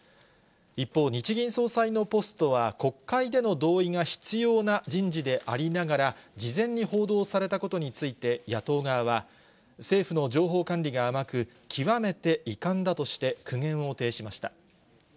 一方、日銀総裁のポストは国会での同意が必要な人事でありながら、事前に報道されたことについて野党側は、政府の情報管理が甘く、極めて遺憾だとして苦言を呈しました。